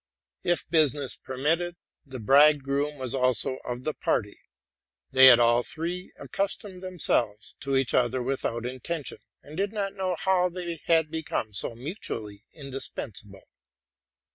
If business permitted, the bridegroom was also of the party : they had all three accustomed themselves to each other with out intention, and did not know how they had become so mutually indispensable.